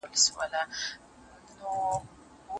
ځوانه د لولیو په بازار اعتبار مه کوه